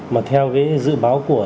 mà theo dự báo của